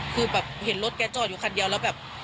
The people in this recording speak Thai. คือแบบเห็นรถแกจอดอยู่คันเดียวแล้วแบบ